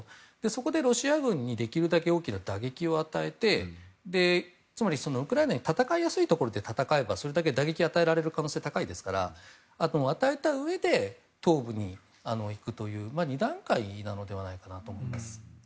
そこでロシア軍にできるだけ大きな打撃を与えてつまり、ウクライナに戦いやすいところで戦えばそれだけ打撃が与えられる可能性が高いですから与えたうえで東部に行くという２段階なのではないかなと思います。